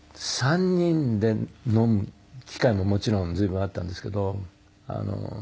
３人で飲む機会ももちろん随分あったんですけど。